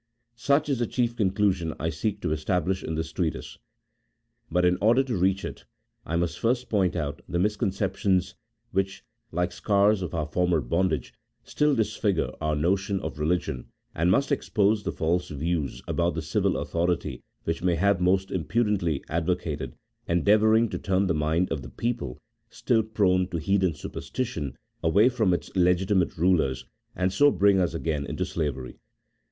Such is the chief conclusion I seek to establish in this treatise ; but, in order to reach it, I must first point out the misconceptions which, like scars of our former bondage, still disfigure our notion of religion, and must expose the false views about the civil authority which many have most impudently advocated, endeavouring to turn the mind of the people, still prone to heathen superstition, away from its legitimate rulers, and so bring us again into slavery.